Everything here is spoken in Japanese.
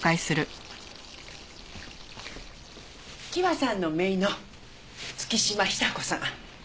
希和さんの姪の月島久子さん。